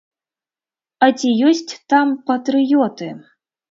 А ці ёсць там патрыёты?